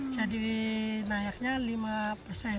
jadi naiknya lima persen